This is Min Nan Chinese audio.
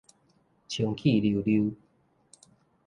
清氣溜溜